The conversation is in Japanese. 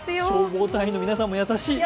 消防隊の皆さんも優しい！